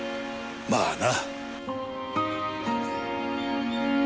まあな。